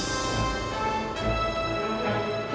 iya aku tau sama dia